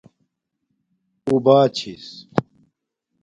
اُو باہ چھس